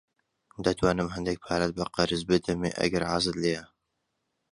دەتوانم هەندێک پارەت بە قەرز بدەمێ ئەگەر حەزت لێیە.